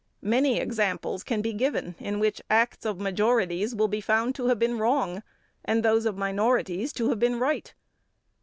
Many examples can be given in which acts of majorities will be found to have been wrong, and those of minorities to have been right.